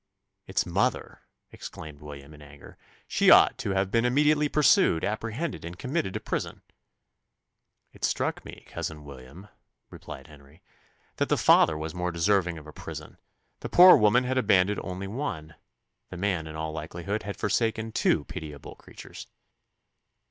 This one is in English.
"Its mother!" exclaimed William, in anger: "she ought to have been immediately pursued, apprehended, and committed to prison." "It struck me, cousin William," replied Henry, "that the father was more deserving of a prison: the poor woman had abandoned only one the man, in all likelihood, had forsaken two pitiable creatures."